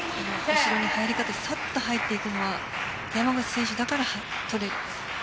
後ろに入り方すっと入っていくのは山口選手だから入れる。